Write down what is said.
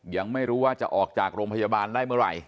ยังไม่รู้ว่าจะออกจากโรงพยาบาลได้เมื่อไหร่